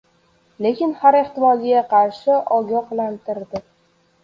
Lekin har ehtimolga qarshi ogohlantirdi: